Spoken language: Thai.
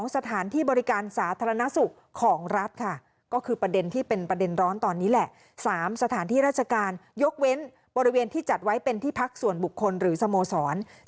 สถานที่ราชการยกเว้นบริเวณที่จัดไว้เป็นที่พักส่วนบุคคลหรือสโมสร